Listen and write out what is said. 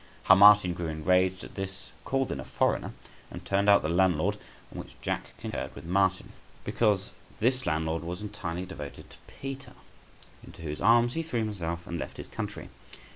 How Martin grew enraged at this, called in a foreigner {164d} and turned out the landlord; in which Jack concurred with Martin, because this landlord was entirely devoted to Peter, into whose arms he threw himself, and left his country.